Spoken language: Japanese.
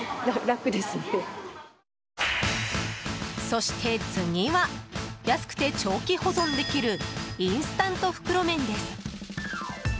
そして、次は安くて長期保存できるインスタント袋麺です。